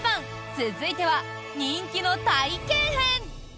続いては、人気の体験編！